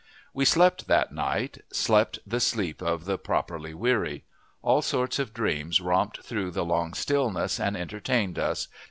We slept that night slept the sleep of the properly weary. All sorts of dreams romped through the long stillness and entertained us.